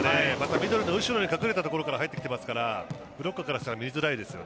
ミドルの後ろに隠れたところから入ってきていますからブロックからしたら見づらいですね。